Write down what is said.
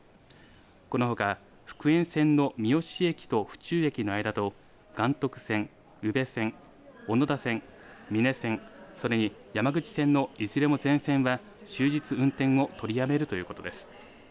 このほか福塩線の三次駅と府中駅の間と岩徳線、宇部線、小野田線、美祢線、それに山口線のいずれも全線は終日運転を取りやめるということです。